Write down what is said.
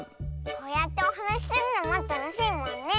こうやっておはなしするのもたのしいもんね！